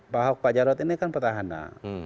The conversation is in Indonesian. pak ahok pak jarod ini kan petahana